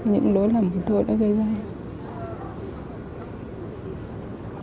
những lối lầm của tôi đã gây ra